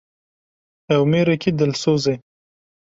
Ew mêrekî dilsoz e.